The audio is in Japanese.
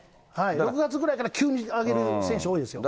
６月ぐらいから急に上げる選手、多いですね。